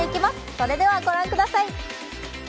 それではご覧ください。